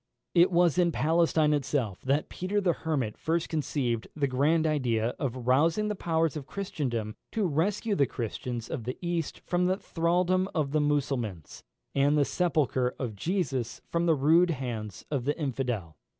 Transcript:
It was in Palestine itself that Peter the Hermit first conceived the grand idea of rousing the powers of Christendom to rescue the Christians of the East from the thraldom of the Mussulmans, and the sepulchre of Jesus from the rude hands of the infidel.